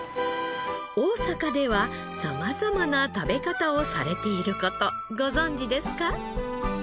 大阪ではさまざまな食べ方をされている事ご存じですか？